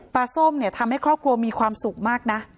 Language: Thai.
ส้มเนี่ยทำให้ครอบครัวมีความสุขมากนะ